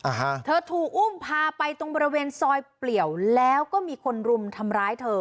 ฮะเธอถูกอุ้มพาไปตรงบริเวณซอยเปลี่ยวแล้วก็มีคนรุมทำร้ายเธอ